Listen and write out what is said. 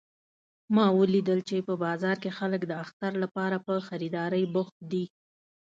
ما ولیدل چې په بازار کې خلک د اختر لپاره په خریدارۍ بوخت دي